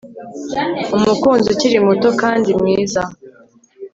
umukunzi ukiri muto kandi mwiza